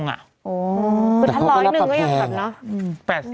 อ๋อแต่เขาก็รับประแพงอ่ะคุณท่านร้อยหนึ่งก็ยังต่ำนะ